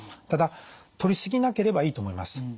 ただとりすぎなければいいと思います。